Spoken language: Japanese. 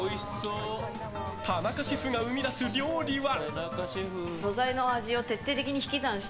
田中シェフが生み出す料理は。